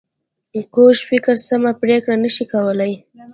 کوږ فکر سمه پرېکړه نه شي کولای